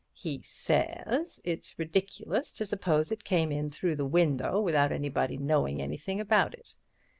He says it's ridiculous to suppose it came in through the window without anybody knowing anything about it.